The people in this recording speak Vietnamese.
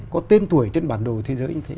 có tên tuổi trên bản đồ thế giới như thế